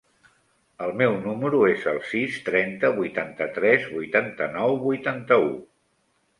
El meu número es el sis, trenta, vuitanta-tres, vuitanta-nou, vuitanta-u.